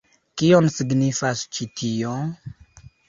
Kion signifas ĉi tio?